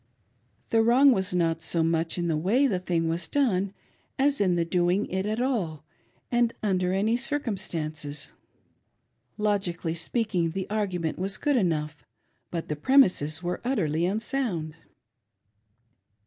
The wrong was not so much in the way the thing was done' as in doing it at all and under any circumstances. Logically speaking, the argument was good enough, but the premises were utterly unsound.